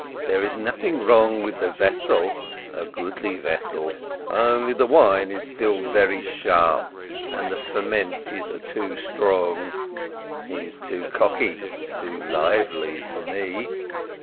There is nothing wrong with the vessel, a goodly vessel, only the wine is still very sharp, and the ferment is too strong. He is too cocky, too lively for me.